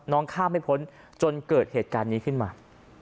ข้ามไม่พ้นจนเกิดเหตุการณ์นี้ขึ้นมา